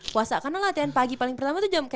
puasa karena latihan pagi paling pertama tuh jam